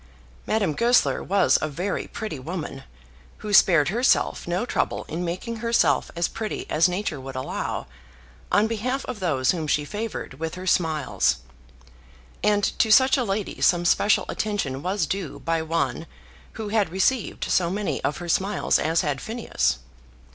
Madame Goesler was a very pretty woman, who spared herself no trouble in making herself as pretty as Nature would allow, on behalf of those whom she favoured with her smiles; and to such a lady some special attention was due by one who had received so many of her smiles as had Phineas.